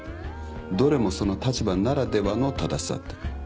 どれもその立場ならではの正しさって。